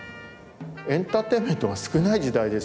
エンターテインメントが少ない時代でしょう。